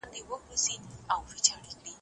ځینې خلک له باد شرمېږي.